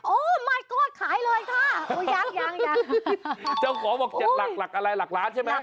โอ้วค่ะยังอย่างช่องของบอกหลักล้านถ้า